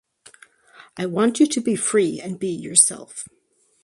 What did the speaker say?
I want you to be free and be yourself.